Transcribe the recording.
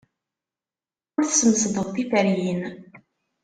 Ur tesmesdeḍ tiferyin.